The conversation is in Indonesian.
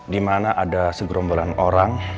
di mana ada segerombolan orang